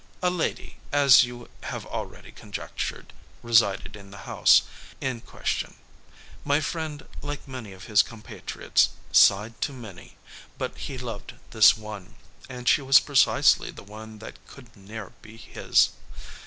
A lady, as you have already conjectured, resided in the house, in question. My friend, like many of his compatriots, "sighed to many;" but he loved this one; and she was precisely the one that "could ne'er be his."